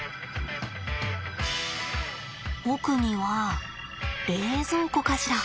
奧には冷蔵庫かしら。